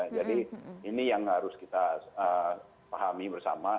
jadi ini yang harus kita pahami bersama